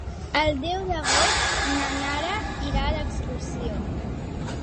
El deu d'agost na Nara irà d'excursió.